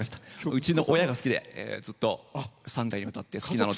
うちの親が好きでずっと３代にわたって。